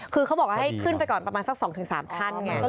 คือเขาบอกว่าให้ขึ้นไปก่อนประมาณสัก๒๓ท่านไง